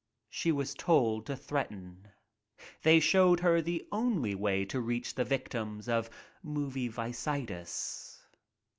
She was told to threaten. They showed her the only way to reach the victims of movie viceitis.